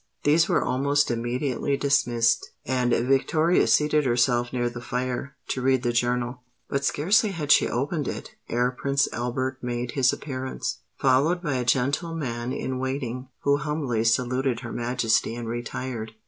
These were almost immediately dismissed; and Victoria seated herself near the fire, to read the journal. But scarcely had she opened it, ere Prince Albert made his appearance, followed by a gentleman in waiting, who humbly saluted her Majesty and retired.